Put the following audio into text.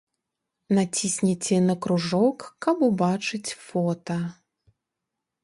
Націсніце на кружок, каб убачыць фота.